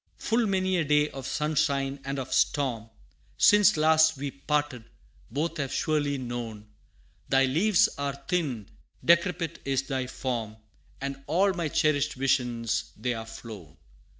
Full many a day of sunshine and of storm, Since last we parted, both have surely known; Thy leaves are thinned, decrepit is thy form, And all my cherished visions, they are flown!